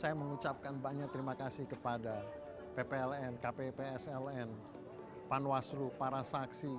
saya mengucapkan banyak terima kasih kepada ppln kpps ln panwaslu para saksi